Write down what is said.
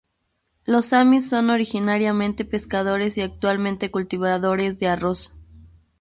Los amis son originariamente pescadores y actualmente cultivadores de arroz.